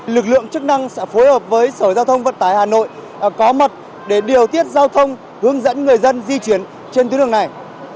lực lượng chức năng sẽ phối hợp với sở giao thông vận tải hà nội có mật để điều tiết giao thông hướng dẫn người dân di chuyển trên tuyến đường này